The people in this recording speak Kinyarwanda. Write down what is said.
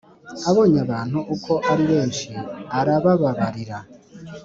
Abonye abantu uko ari benshi arabababarira